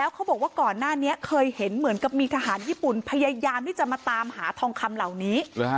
เขาบอกว่าก่อนหน้านี้เคยเห็นเหมือนกับมีทหารญี่ปุ่นพยายามที่จะมาตามหาทองคำเหล่านี้